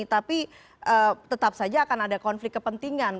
tapi tetap saja akan ada konflik kepentingan